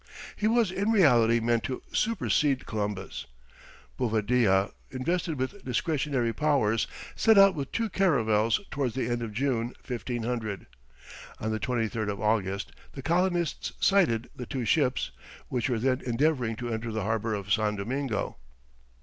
He was in reality meant to supersede Columbus. Bovadilla, invested with discretionary powers, set out with two caravels towards the end of June, 1500. On the 23rd of August, the colonists sighted the two ships, which were then endeavouring to enter the harbour of San Domingo.